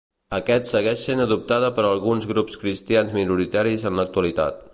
Aquest segueix sent adoptada per alguns grups Cristians minoritaris en l'actualitat.